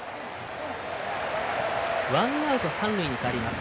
ワンアウト、三塁に変わります。